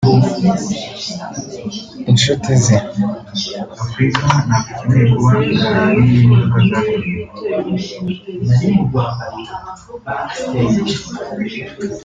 inshuti ze